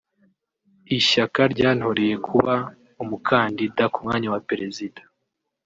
Ishyaka ryantoreye kuba umukandida ku mwanya wa Perezida